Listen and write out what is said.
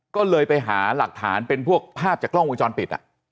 ก็เลยไปหาหลักฐานเป็นพวกภาพจากกล้องวงจรปิด